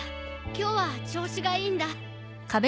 今日は調子がいいんだ。